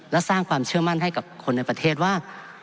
และสร้างความเชื่อมั่นให้กับคนในประเทศว่า